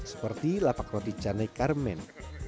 seperti lapak roti canai karmen